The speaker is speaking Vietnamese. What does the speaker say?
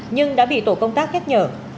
nhưng đã bị tổ công tác khét nhở